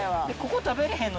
ここ食べられへん。